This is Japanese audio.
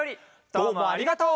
どうもありがとう！